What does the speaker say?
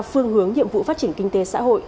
phương hướng nhiệm vụ phát triển kinh tế xã hội